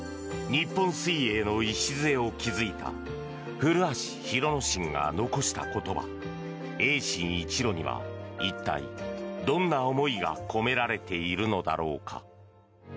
日本水泳の礎を築いた古橋廣之進が残した言葉泳心一路には一体、どんな思いが込められているのだろうか。